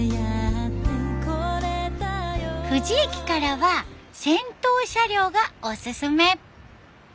富士駅からは先頭車両がオススメ。